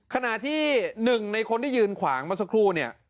ขณะที่หนึ่งในคนที่ยืนขวางเมื่อสักครู่เนี่ย